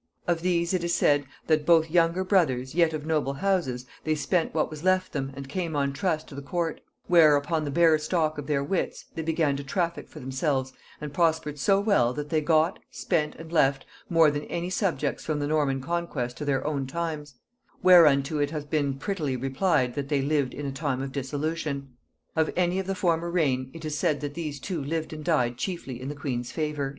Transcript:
Of these it is said, that both younger brothers, yet of noble houses, they spent what was left them and came on trust to the court; where, upon the bare stock of their wits, they began to traffic for themselves, and prospered so well, that they got, spent, and left, more than any subjects from the Norman conquest to their own times: whereunto it hath been prettily replied, that they lived in a time of dissolution. Of any of the former reign, it is said that these two lived and died chiefly in the queen's favor."